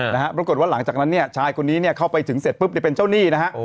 ปรากฏว่าหลังจากนั้นเนี่ยชายคนนี้เนี่ยเข้าไปถึงเสร็จปุ๊บเนี่ยเป็นเจ้าหนี้นะฮะ